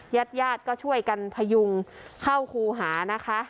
ญาติญาติก็ช่วยกันพยุงเข้าครูหานะคะ